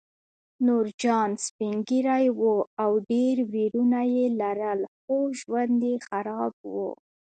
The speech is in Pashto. نورجان سپین ږیری و او ډېر ورېرونه یې لرل خو ژوند یې خراب و